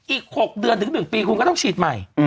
อีก๖เดือนถึง๑ปีคุณก็ต้องฉีดใหม่